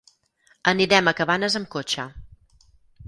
Anirem a Cabanes amb cotxe.